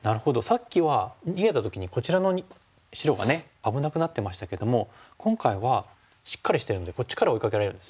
さっきは逃げた時にこちらの白がね危なくなってましたけども今回はしっかりしてるんでこっちから追いかけられるんですね。